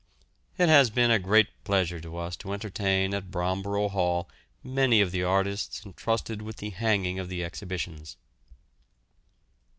It has been a great pleasure to us to entertain at Bromborough Hall many of the artists entrusted with the hanging of the exhibitions.